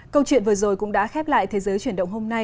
câu chuyện vừa rồi cũng đã khép lại thế giới chuyển động hôm nay